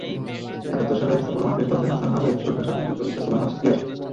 একাত্তর সালের ডিসেম্বর মাসে ফজলে হাসান আবেদ সদ্য স্বাধীন যুদ্ধবিধ্বস্ত বাংলাদেশে ফিরে আসেন।